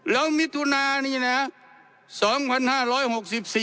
แล้วมิถุนานี่แหละสองพันห้าร้อยหกสิบสาม